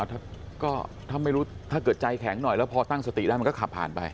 ถ้าไม่รู้ถ้าเกิดใจแข็งหน่อยแล้วพอตั้งสติได้มันก็ขับผ่านไป